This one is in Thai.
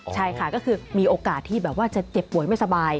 ใช่ค่ะก็คือมีโอกาสที่แบบว่าจะเจ็บป่วยไม่สบาย